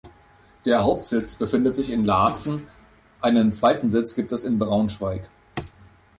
Der Hauptsitz befindet sich in Laatzen, einen zweiten Sitz gibt es in Braunschweig.